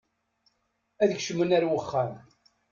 Ad kecmen ar wexxam.